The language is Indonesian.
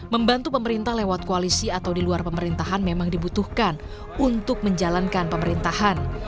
membantu pemerintah lewat koalisi atau di luar pemerintahan memang dibutuhkan untuk menjalankan pemerintahan